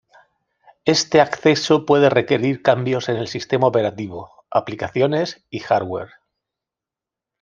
Este acceso puede requerir cambios en el sistema operativo, aplicaciones y hardware.